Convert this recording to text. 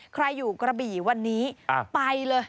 ใครอยู่กระบี่วันนี้ไปเลย